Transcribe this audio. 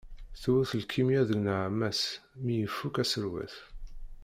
Tewwet lkimya deg nneɛma-s mi ifukk aserwet.